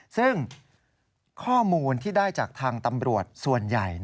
ซึ่งข้อมูลที่ได้จากทางตำรวจส่วนใหญ่